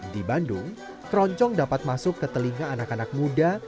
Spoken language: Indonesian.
di bandung keroncong dapat masuk ke telinga anak anak muda